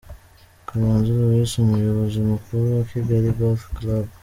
Kamanzi Louis umuyobozi mukuru wa Kigali Golf Club.